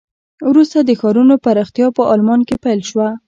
وروسته د ښارونو پراختیا په آلمان کې پیل شوه.